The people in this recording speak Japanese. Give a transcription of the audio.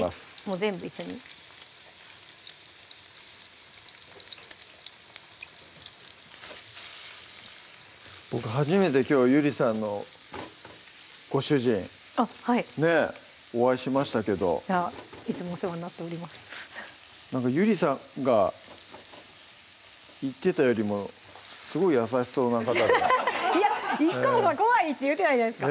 もう全部一緒にボク初めてきょうゆりさんのご主人はいお会いしましたけどいつもお世話になっておりますなんかゆりさんが言ってたよりもすごい優しそうな方でいやいっこもそんな怖いって言ってないじゃないですか！